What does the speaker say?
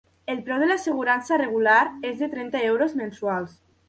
El preu de l'assegurança regular és de trenta euros mensuals.